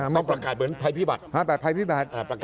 อ๋อต้องประกาศเหมือนภัยพิบัตร